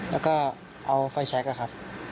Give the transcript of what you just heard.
แล้วก็เอาไฟชั้กอ่ะค่ะ